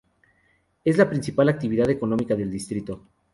Es la principal actividad económica del distrito.